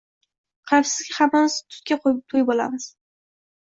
Qarabsizki, hammamiz tutga to‘yib olamiz.